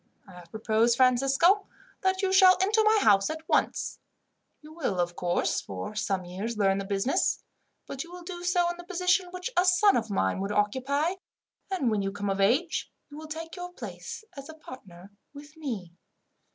"I have proposed, Francisco, that you shall enter my house at once. You will, of course, for some years learn the business, but you will do so in the position which a son of mine would occupy, and when you come of age, you will take your place as a partner with me.